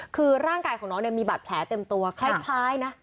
คือร่างกายของน้องเนี่ยมีบาดแผลเต็มตัวคล้ายนะ